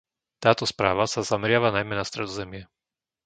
Táto správa sa zameriava najmä na Stredozemie.